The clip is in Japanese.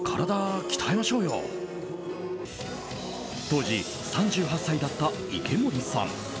当時３８歳だった池森さん。